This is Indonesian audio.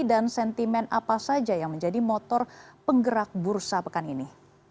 dan sentimen apa saja yang menjadi motor penggerak bursa pekan ini